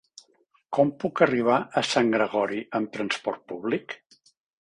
Com puc arribar a Sant Gregori amb trasport públic?